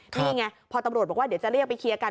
นี่ไงพอตำรวจบอกว่าเดี๋ยวจะเรียกไปเคลียร์กัน